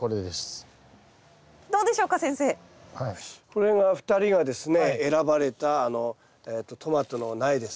これが２人がですね選ばれたトマトの苗ですね。